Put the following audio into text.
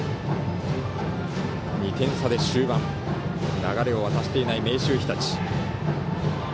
２点差で終盤流れを渡していない明秀日立。